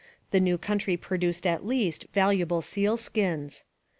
The new country produced at least valuable sealskins.